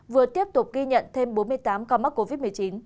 vừa tiếp tục ghi nhận thêm bốn mươi tám ca mắc covid một mươi chín